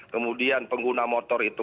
kemudian pengguna motor itu